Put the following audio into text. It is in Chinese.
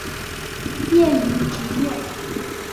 业余职业